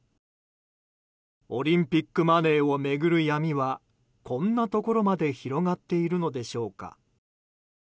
オリンピックマネーを巡る闇はこんなところまで広がっているのでしょうか。